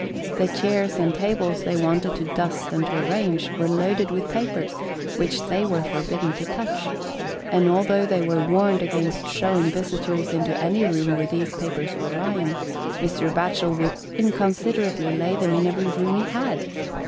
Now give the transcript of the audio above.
The chairs and tables they wanted to dust and to arrange, were loaded with papers which they were forbidden to touch; and although they were warned against showing visitors into any room where these papers were lying, Mr. Batchel would inconsiderately lay them in every room he had.